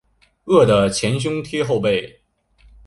饿得前胸贴后背